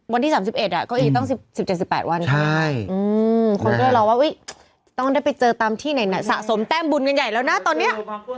วันที่๓๑ก็อีกตั้ง๑๗๑๘วันคนก็เลยรอว่าต้องได้ไปเจอตามที่ไหนสะสมแต้มบุญกันใหญ่แล้วนะตอนนี้